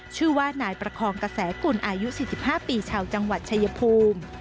ชื่อว่านายประคองกระแสกุลอายุ๔๕ปีชาวจังหวัดชายภูมิ